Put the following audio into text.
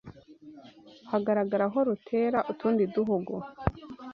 hagaragara aho rutera utundi duhugu